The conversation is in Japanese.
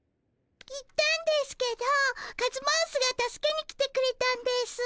行ったんですけどカズマウスが助けに来てくれたんですぅ。